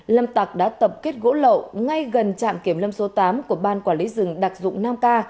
lâm tạc đã tập kết gỗ lậu ngay gần trạm kiểm lâm số tám của ban quản lý rừng đặc dụng nam ca